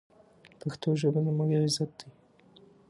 پښتو ژبه زموږ عزت دی.